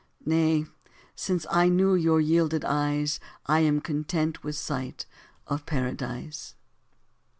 Nay, since I knew your yielded eyes, I am content with sight .... of Paradise.